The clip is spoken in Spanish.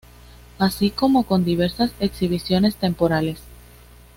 Así como con diversas exhibiciones temporales.